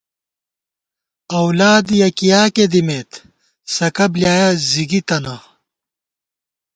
اؤلاد یَکِیاکے دِمېت ، سَکہ بۡلیایَہ زِگی تَنہ